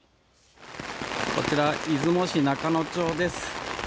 こちら出雲市中野町です。